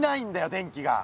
電気が。